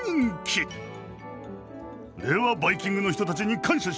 バイキングの人たちに感謝して！